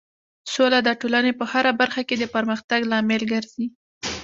سوله د ټولنې په هر برخه کې د پرمختګ لامل ګرځي.